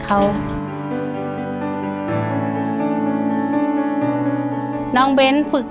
ชื่อนางวุญสงศ์อายุ๕๒ปี